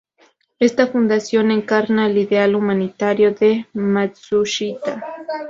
Esta fundación encarna el ideal humanitario de Matsushita.